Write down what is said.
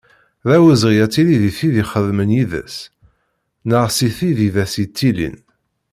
D awezɣi ad tili si tid ixeddmen yid-s, neɣ si tid i d as-yettilin.